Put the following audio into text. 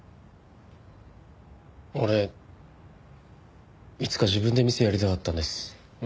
俺いつか自分で店やりたかったんです。